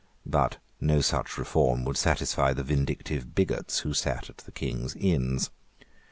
But no such reform would satisfy the vindictive bigots who sate at the King's Inns.